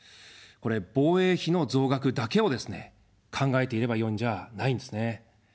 これ、防衛費の増額だけをですね、考えていればよいんじゃないんですね。